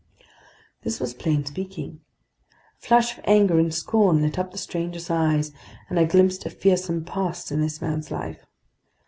This was plain speaking. A flash of anger and scorn lit up the stranger's eyes, and I glimpsed a fearsome past in this man's life.